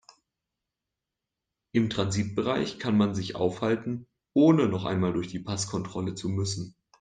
Im Transitbereich kann man sich aufhalten, ohne noch einmal durch die Passkontrolle zu müssen.